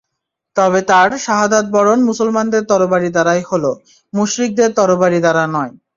তবে তাঁর শাহাদাত বরণ মুসলমানদের তরবারী দ্বারাই হল, মুশরিকদের তরবারী দ্বারা নয়।